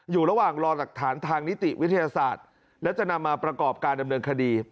อยู่ระหว่างรอหลักฐานทางนิติวิทยาศาสตร์และจะนำมาประกอบการดำเนินคดี